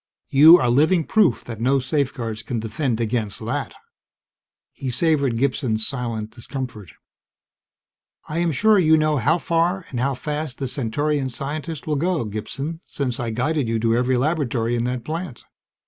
You are living proof that no safeguards can defend against that." He savored Gibson's silent discomfort. "I am sure you know how far and how fast the Centaurian scientists will go, Gibson, since I guided you to every laboratory in that plant.